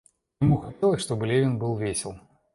Ему хотелось, чтобы Левин был весел.